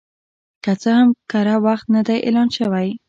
که څه هم کره وخت نه دی اعلان شوی